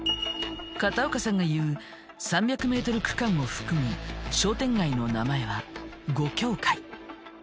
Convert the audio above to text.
片岡さんが言う３００ｍ区間を含む商店街の名前は五協会。